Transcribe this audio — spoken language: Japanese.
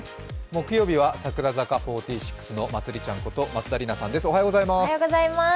木曜日は櫻坂４６のまつりちゃんこと松田里奈さんです。